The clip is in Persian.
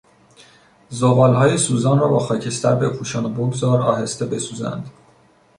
زغالهای سوزان را با خاکستر بپوشان و بگذار آهسته بسوزند.